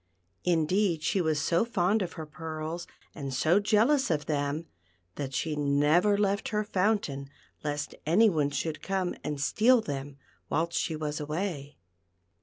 Indeed, she was so fond of her pearls, and so jealous of them, that she never left her fountain lest any one should come aneHpeal them whilst she was away.